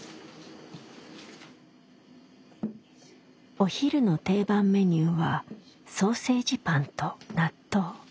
お昼の定番メニューはソーセージパンと納豆。